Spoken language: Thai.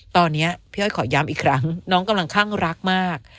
ตอนนี้พี่อ้อยขอย้ำอีกครั้งน้องกำลังคั่งรักมาก